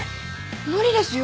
無理ですよ！